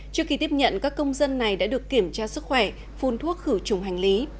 trước khi tiếp nhận các công dân này đã được kiểm tra sức khỏe phun thuốc khử trùng hành lý